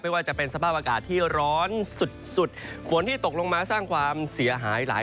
ว่าจะเป็นสภาพอากาศที่ร้อนสุดสุดฝนที่ตกลงมาสร้างความเสียหายหลาย